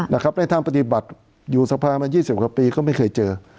ในทางปฏิบัติอยู่สภามา๒๐กว่าปีก็ไม่เคยเจอ